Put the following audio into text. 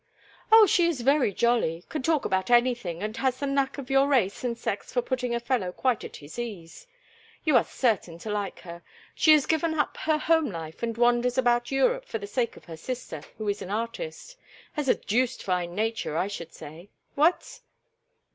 "Oh, she is very jolly. Can talk about anything and has the knack of your race and sex for putting a fellow quite at his ease. You are certain to like her. She has given up her home life and wanders about Europe for the sake of her sister, who is an artist; has a deuced fine nature, I should say. What?"